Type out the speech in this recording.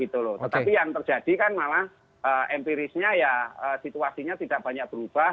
tetapi yang terjadi kan malah empirisnya ya situasinya tidak banyak berubah